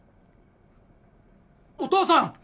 お父さん！